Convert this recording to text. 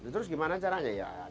terus gimana caranya ya